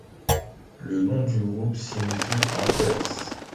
Le nom du groupe signifie en perse.